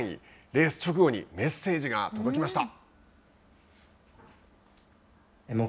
レース直後にメッセージが届きました。